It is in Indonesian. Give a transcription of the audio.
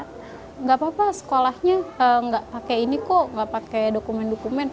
tidak apa apa sekolahnya nggak pakai ini kok nggak pakai dokumen dokumen